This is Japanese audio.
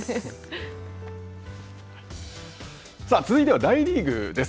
続いては、大リーグです。